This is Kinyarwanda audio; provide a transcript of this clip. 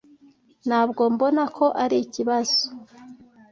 Ntabwo mbona ko arikibazo.